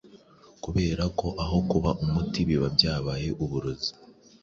Kubera ko aho kuba umuti biba byabaye uburozi,